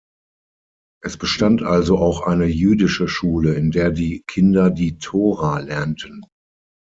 Es bestand also auch eine jüdische Schule, in der die Kinder die Tora lernten.